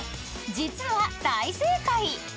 ［実は大正解］